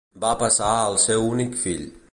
Va passar al seu únic fill.